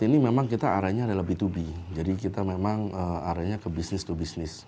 ini memang kita arahnya adalah b dua b jadi kita memang arahnya ke bisnis to bisnis